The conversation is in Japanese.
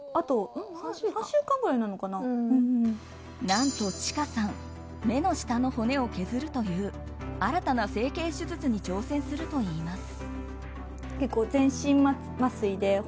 何と、ちかさん目の下の骨を削るという新たな整形手術に挑戦するといいます。